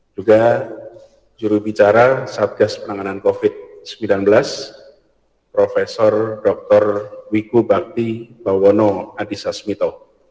juga juru bicara satgas penanganan covid sembilan belas prof dr wikubakti bawono adhisasmito